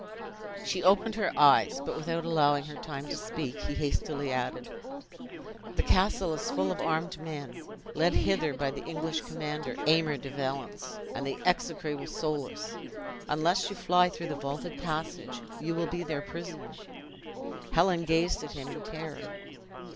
She opened her eyes; but, without allowing her time to speak, he hastily added; "The castle is full of armed men, led hither by the English commander, Aymer de Valence, and the execrable Soulis. Unless you fly through the vaulted passage, you will be their prisoner." Helen gazed at him in terror.